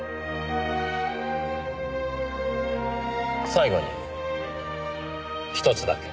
最後にひとつだけ。